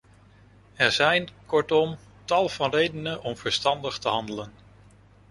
Er zijn, kortom, tal van redenen om verstandig te handelen.